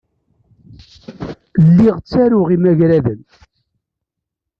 Lliɣ ttaruɣ imagraden.